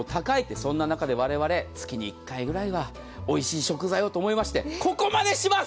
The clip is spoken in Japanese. そんな中で我々、月に１回ぐらいはおいしい食材をと思いまして、ここまでします！